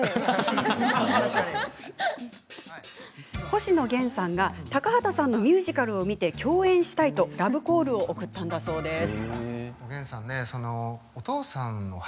星野源さんが高畑さんのミュージカルを見て共演したいとラブコールを送ったんだそうです。